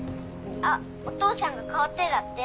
あっお父さんが代わってだって。